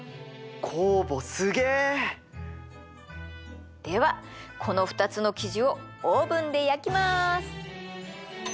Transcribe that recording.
酵母すげえ！ではこの２つの生地をオーブンで焼きます！